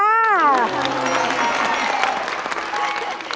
ขอบคุณมาก